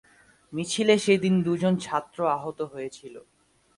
মিছিলে সেদিন দুজন ছাত্র আহত হয়েছিল।